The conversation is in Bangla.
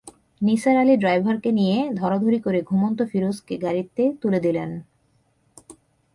নিসার আলি ড্রাইভারকে নিয়ে ধরাধরি করে ঘুমন্ত ফিরোজকে গাড়িতে তুলে দিলেন।